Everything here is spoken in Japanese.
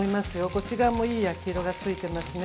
こっち側もいい焼き色がついてますね。